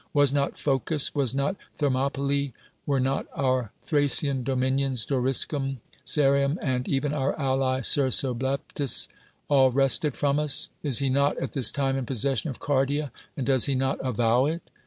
Was not Phocis, was not Thermopylae, were not our Thracian dominions, Doriscum, Serrium, and even our ally Cersobleptes, all wrested from us? Is he not at this time in possession of Cardia? and does he not avow it?